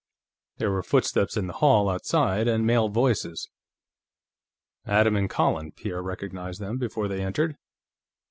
There were footsteps in the hall outside, and male voices. "Adam and Colin," Pierre recognized them before they entered.